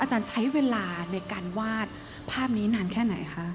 อาจารย์ใช้เวลาในการวาดภาพนี้นานแค่ไหนคะ